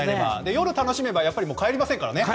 夜を楽しめば帰りませんからね。